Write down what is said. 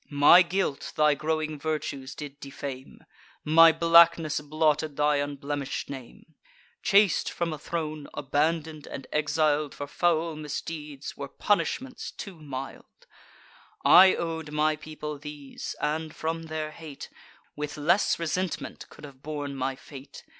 My guilt thy growing virtues did defame; My blackness blotted thy unblemish'd name. Chas'd from a throne, abandon'd, and exil'd For foul misdeeds, were punishments too mild: I ow'd my people these, and, from their hate, With less resentment could have borne my fate.